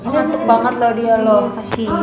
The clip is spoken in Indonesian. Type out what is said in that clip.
ngantuk banget loh dia loh